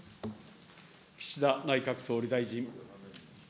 岸田内閣総理大臣。